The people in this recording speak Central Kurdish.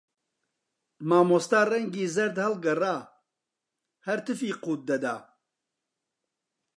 مامۆستا ڕەنگی زەرد هەڵگەڕا، هەر تفی قووت دەدا